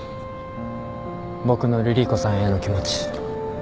僕の凛々子さんへの気持ち。